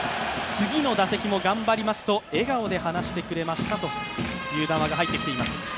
次の打席も頑張りますと笑顔で話してくれましたという談話が入ってきています。